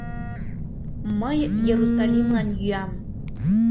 Мый Ерусалимлан йӱам.